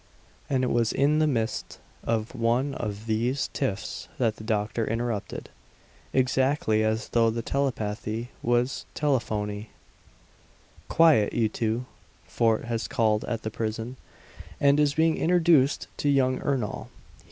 And it was in the midst of one of these tiffs that the doctor interrupted, exactly as though the telepathy was telephony: "Quiet, you two. Fort has called at the prison, and is being introduced to young Ernol.